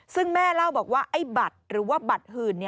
ซึ่งแม่เล่าบอกว่าไอ้บัตรหรือว่าบัตรหื่น